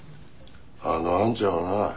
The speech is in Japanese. あのアンちゃんはな